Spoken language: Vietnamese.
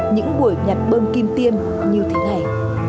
những buổi nhặt bơm kim tiêm như thế này